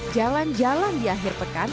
jalan jalan di akhir pekan